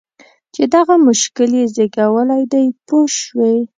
چې دغه مشکل یې زېږولی دی پوه شوې!.